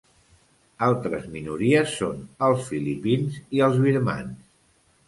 Altres minories són els filipins i els birmans.